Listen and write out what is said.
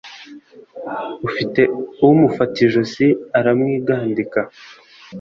ufite umufata ijosi ararigwandika